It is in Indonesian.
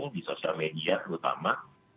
di sosial media terutama